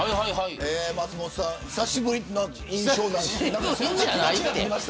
松本さん、久しぶりな印象です。